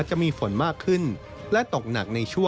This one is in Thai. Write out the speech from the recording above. จะมีฝนมากขึ้นและตกหนัก